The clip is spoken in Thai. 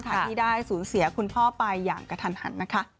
ที่ได้สูญเสียคุณพ่อไปอย่างกระทันหันนะคะ